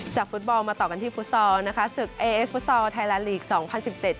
ฟุตบอลมาต่อกันที่ฟุตซอลนะคะศึกเอเอฟุตซอลไทยแลนดลีกสองพันสิบเจ็ด